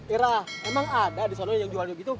irah emang ada di sana yang jual gitu